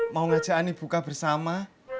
mau ngajak ani buka bersama